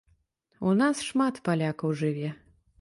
У нас шмат палякаў жыве.